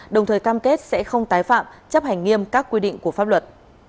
đồng thời cam kết sẽ không tái phạm chấp hành nghiêm các quy định của pháp luật